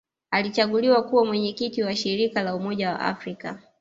Alichaguliwa kuwa Mwenyekiti wa Shirika la Umoja wa Afrika